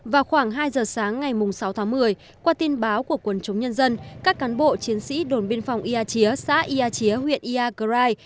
vào khoảng hai giờ sáng ngày sáu một mươi qua tin báo của quân chống nhân dân các cán bộ chiến sĩ đồn biên phòng ia chía xã ia chía huyện ia krai